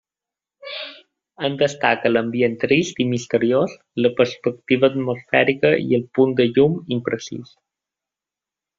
En destaca l'ambient trist i misteriós, la perspectiva atmosfèrica i el punt de llum imprecís.